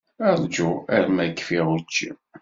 Ṛju arma kfiɣ učči.